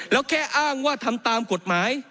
แล้วแค่อ้างว่าทำตามกฎหมาย